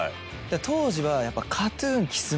当時はやっぱ。